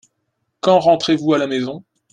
Quand rentrez-vous à la maison ?